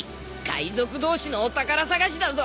海賊同士のお宝探しだぞ。